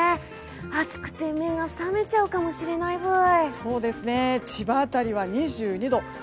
暑くて目が覚めちゃうかもしれないブイ。